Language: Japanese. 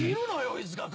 飯塚君！